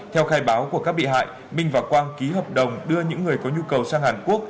theo khai báo của các bị hại minh và quang ký hợp đồng đưa những người có nhu cầu sang hàn quốc